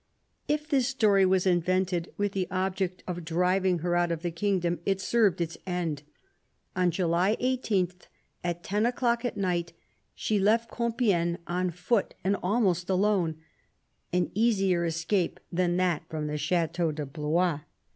If this story was invented with the object of riving her out of the kingdom, it served its end. On uly 18, at ten o'clock at night, she left Compifegne on )ot and almost alone — an easier escape than that from tie Chateau de Blois.